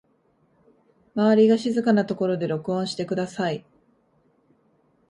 周りが静かなところで録音してください